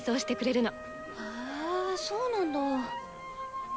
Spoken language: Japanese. へそうなんだ。